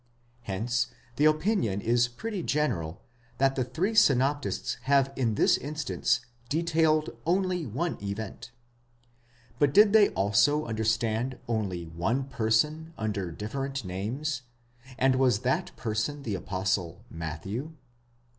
Hence the opinion is pretty general, that the three synoptists have in this instance detailed only one event. But did they also understand only one person under different names, and was that person the Apostle Matthew